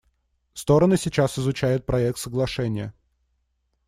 Стороны сейчас изучают проект соглашения.